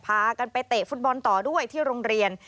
พากันไปเตะฟุตบอลต่อด้วยที่โรงเรียน